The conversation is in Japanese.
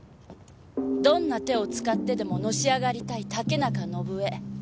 どんな手を使ってでものし上がりたい竹中伸枝。